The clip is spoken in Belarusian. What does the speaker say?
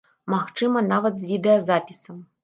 Магчыма, нават, з відэазапісам.